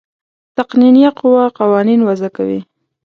تقنینیه قوه قوانین وضع کوي.